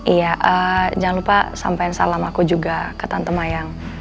iya jangan lupa sampaikan salam aku juga ke tante mayang